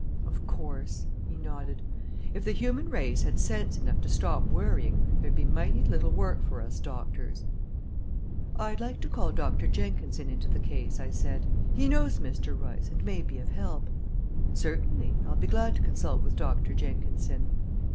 "Of course," he nodded. "If the human race had sense enough to stop worrying, there'd be mighty little work for us doctors." "I'd like to call Doctor Jenkinson into the case," I said. "He knows Mr. Royce, and may be of help." "Certainly; I'll be glad to consult with Doctor Jenkinson."